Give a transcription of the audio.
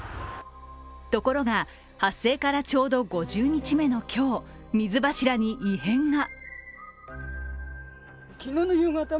ところが、発生からちょうど５０日目の今日、水柱に異変が。